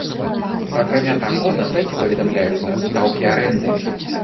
Акрамя таго, на сайце паведамляюцца стаўкі арэнды.